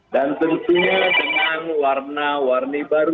dan tentunya dengan warna warni baru